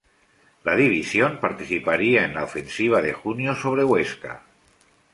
La división participaría en la ofensiva de junio sobre Huesca.